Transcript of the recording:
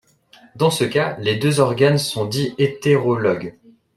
Dans ce cas, les deux organes sont dits hétérologues.